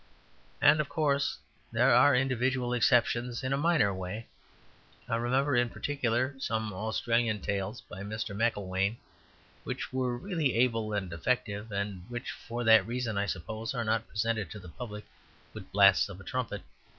And, of course, there are individual exceptions in a minor way. I remember in particular some Australian tales by Mr. McIlwain which were really able and effective, and which, for that reason, I suppose, are not presented to the public with blasts of a trumpet.